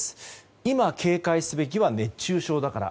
今警戒すべきは熱中症だから。